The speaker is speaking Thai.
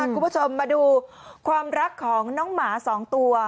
คุณผู้ชมมาดูความรักของน้องหมา๒ตัว